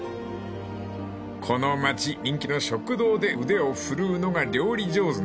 ［この町人気の食堂で腕を振るうのが料理上手のおふくろ］